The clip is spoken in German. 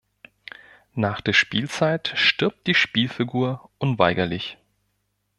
Nach der Spielzeit stirbt die Spielfigur unweigerlich.